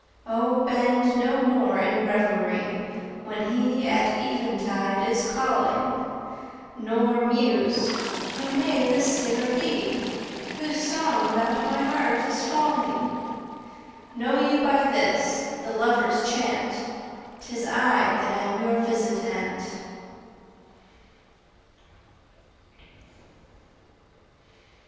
O bend no more in revery When he at eventide is calling. Nor muse: Who may this singer be Whose song about my heart is falling? Know you by this, the lover's chant, 'Tis I that am your visitant.